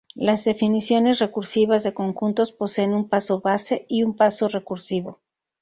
Las definiciones recursivas de conjuntos, poseen un paso base y un paso recursivo.